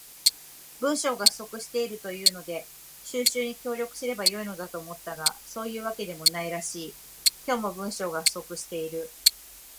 文章が不足しているというので収集に協力すれば良いのだと思ったが、そういうわけでもないらしい。今日も、文章が不足している。